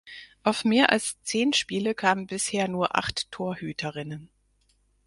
Auf mehr als zehn Spiele kamen bisher nur acht Torhüterinnen.